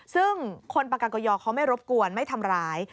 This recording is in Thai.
ซึ่งคนปากากยอเขาไม่รบกวนไม่ทำร้าย